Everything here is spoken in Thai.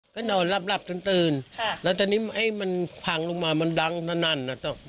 ก็นอนลับตื่นแล้วตอนนี้ภังลงมามันดังเท่านั้น